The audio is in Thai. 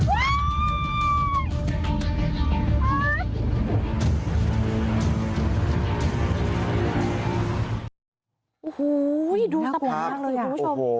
โอ้โหดูสภาพจังเลยคุณผู้ชม